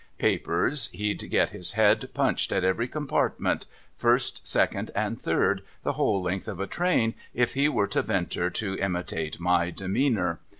Papers, he'd get his head punched at every compartment, first, second, and third, the whole' length of a train, if he was to ventur to imitate my demeanour.